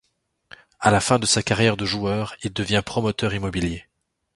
À la fin de sa carrière de joueur, il devient promoteur immobilier.